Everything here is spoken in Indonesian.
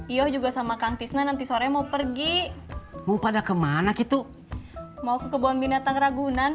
yoh juga sama kang tisna nanti sore mau pergi mau pada kemana gitu mau ke kebun binatang ragunan